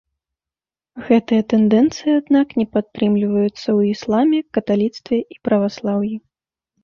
Гэтыя тэндэнцыі, аднак, не падтрымліваюцца ў ісламе, каталіцтве і праваслаўі.